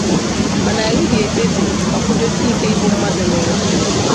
mana anyị ga-ekpebi ma kwụdosie ike ịbụ mmadụ n'ụwa